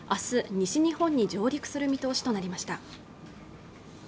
西日本に上陸する見通しとなりました